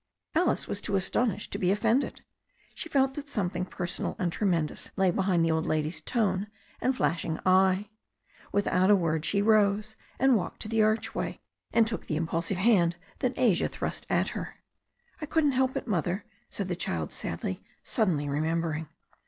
Alice was too astonished to be offended. She felt that something personal and tremendous lay behind the old lady's tone and flashing eye. Without a word she rose and walked to the archway, and took the impulsive hand that Asia thrust at her. "I couldn't help it. Mother," said the child sadly, suddenly remembering.